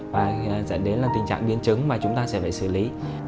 và dẫn đến là tình trạng biến chứng mà chúng ta sẽ phải xử lý